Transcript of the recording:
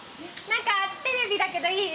テレビだけどいい？